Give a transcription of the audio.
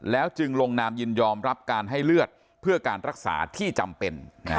จึงลงนามยินยอมรับการให้เลือดเพื่อการรักษาที่จำเป็น